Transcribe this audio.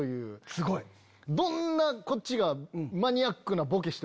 どんなこっちが。